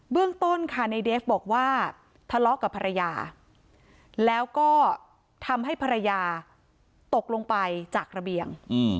เรื่องต้นค่ะในเดฟบอกว่าทะเลาะกับภรรยาแล้วก็ทำให้ภรรยาตกลงไปจากระเบียง